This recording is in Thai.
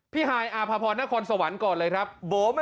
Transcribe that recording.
พี่ฮายอภพรณะครสวรรค์เลยก่อน